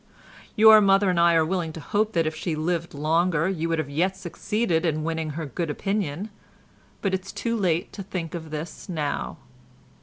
Your mother and I are willing to hope that if she had lived longer you would yet have succeeded in winning her good opinion, but it is too late to think of this now.